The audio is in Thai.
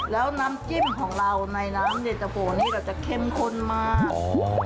แล้วน้ำจิ้มของเราในน้ำเย็นตะโฟนี่ก็จะเข้มข้นมาก